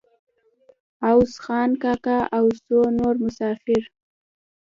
عوض خان کاکا او څو نور مسافر.